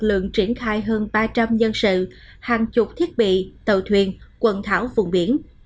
lượng triển khai hơn ba trăm linh nhân sự hàng chục thiết bị tàu thuyền quần thảo vùng biển